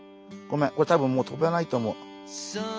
これ多分もう飛べないと思う。